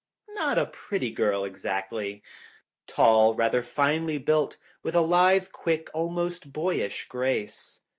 Not a pretty girl, exactly. Tall, rather finely built, with a lithe, quick, almost boyish grace.